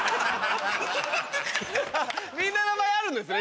みんな名前あるんですね？